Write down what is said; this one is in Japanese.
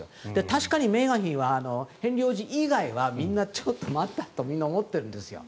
確かにメーガン妃はヘンリー王子以外はみんなちょっと待ったとみんな思っているんですよ。